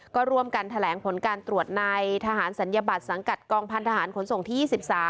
ก็ร่วมกันแถลงผลการตรวจในทหารศัลยบัตรสังกัดกองพันธหารขนส่งที่๒๓